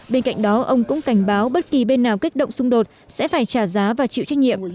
bên cạnh đó ông cũng cảnh báo bất kỳ bên nào kích động xung đột sẽ phải trả giá và chịu trách nhiệm